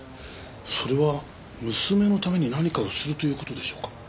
それは娘のために何かをするという事でしょうか？